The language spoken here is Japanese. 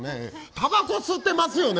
たばこ吸ってますよね？